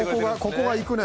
ここがいくね